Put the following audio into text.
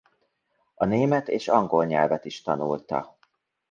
A német és angol nyelvet is tanulta.